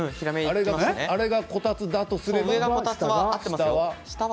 あれがこたつだとすると下は？